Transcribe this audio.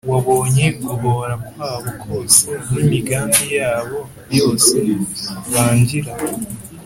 Wabonye guhōra kwabo kose, N’imigambi yabo yose bangīra.